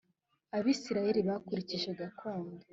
abisirayeli bakurikije gakondo